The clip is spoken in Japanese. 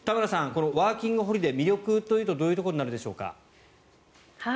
このワーキングホリデー魅力というとどういうところになるでしょうか。